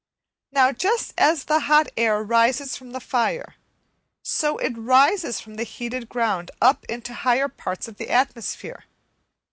Now just as the hot air rises from the fire, so it rises from the heated ground up into higher parts of the atmosphere.